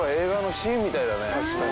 確かに。